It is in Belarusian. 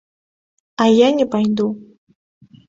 А я не пайду.